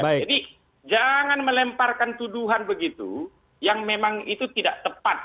jadi jangan melemparkan tuduhan begitu yang memang itu tidak tepat